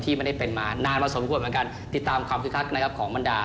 ไม่ได้เป็นมานานมาสมควรเหมือนกันติดตามความคึกคักนะครับของบรรดา